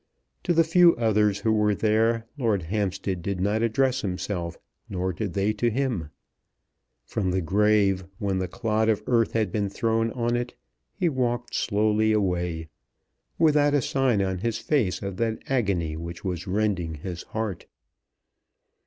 To the few others who were there Lord Hampstead did not address himself, nor did they to him. From the grave, when the clod of earth had been thrown on it, he walked slowly away, without a sign on his face of that agony which was rending his heart.